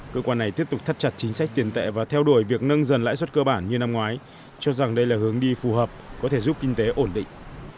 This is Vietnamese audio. cơ quan này tiếp tục thắt chặt chính sách tiền tệ và theo đuổi việc nâng dần lãi suất cơ bản như năm ngoái cho rằng đây là hướng đi phù hợp có thể giúp kinh tế ổn định